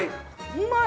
うまい！